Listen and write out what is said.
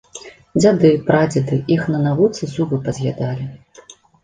Дзяды, прадзеды іх на навуцы зубы паз'ядалі.